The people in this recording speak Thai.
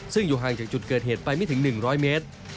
ซึ่งอยู่ห่างจากจุดเกิดเหตุไปไม่ถึง๑๐๐เมตร